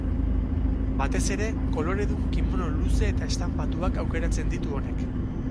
Batez ere, koloredun kimono luze eta estanpatuak aukeratzen ditu honek.